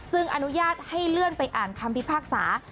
ซึ่งอนุญาตให้เลื่อนไปอ่านคำพิพากษา